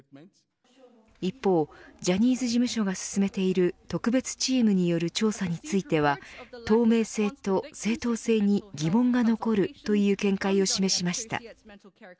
一方ジャニーズ事務所が進めている特別チームによる調査については透明性と正当性に疑問が残るという見解を示しました。